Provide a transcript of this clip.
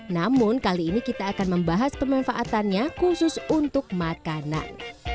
namun kali ini kita akan membahas pemanfaatannya khusus untuk makanan